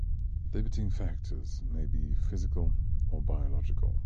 Limiting factors may be physical or biological.